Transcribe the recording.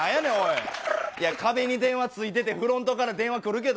いや、壁に電話付いてて、フロントから電話来るけど。